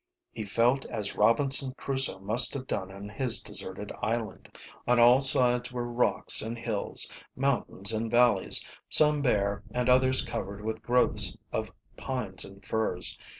He felt as Robinson Crusoe must have done on his deserted island. On all sides were rocks and hills, mountains and valleys, some bare and others covered with growths of pines and firs.